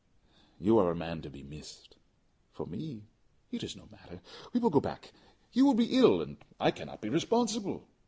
You are a man to be missed. For me it is no matter. We will go back; you will be ill, and I cannot be responsible.